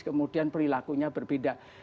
kemudian perilakunya berbeda